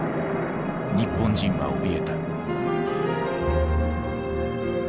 日本人はおびえた。